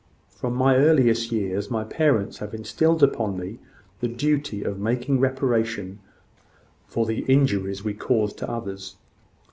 From my earliest years, my parents have instilled into me the duty of making reparation for the injuries we cause to others."